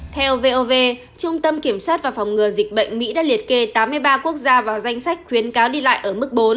theo vov trung tâm kiểm soát và phòng ngừa dịch bệnh mỹ đã liệt kê tám mươi ba quốc gia vào danh sách khuyến cáo đi lại ở mức bốn